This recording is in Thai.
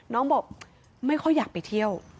บอกไม่ค่อยอยากไปเที่ยว